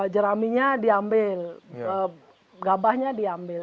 jeraminya diambil gabahnya diambil